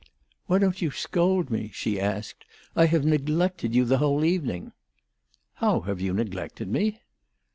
"Why don't you scold me?" she asked. "I have neglected you the whole evening." "How have you neglected me?"